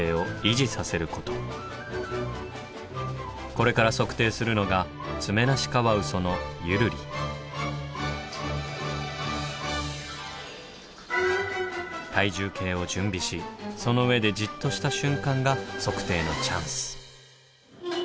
これから測定するのが体重計を準備しその上でジッとした瞬間が測定のチャンス！